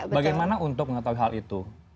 bagaimana untuk mengetahui hal itu